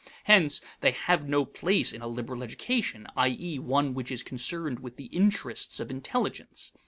Hence they have no place in a liberal education i.e., one which is concerned with the interests of intelligence.